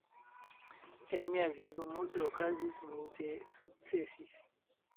En mia vivo, multe okazis, multe sukcesis